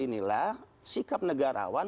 inilah sikap negarawan